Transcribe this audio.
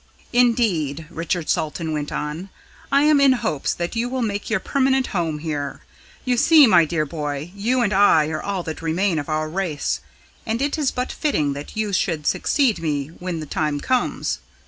"Indeed," Richard Salton went on, "I am in hopes that you will make your permanent home here. You see, my dear boy, you and I are all that remain of our race, and it is but fitting that you should succeed me when the time comes.